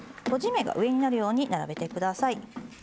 閉じ目が上になるように並べてください。